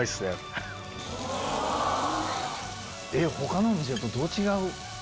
他の店とどう違う？